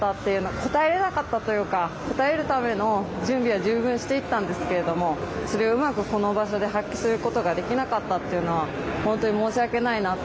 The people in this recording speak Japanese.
応えられなかったというか応えるための準備は十分していったんですけれどもそれをうまくこの場所で発揮することができなかったっていうのは本当に申し訳ないなと。